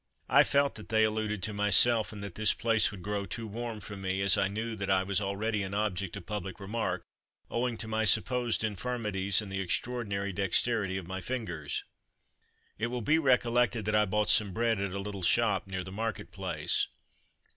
I felt that they alluded to myself, and that this place would grow too warm for me, as I knew that I was already an object of public remark, owing to my supposed infirmities and the extraordinary dexterity of my fingers. It will be recollected that I bought some bread at a little shop near the market place.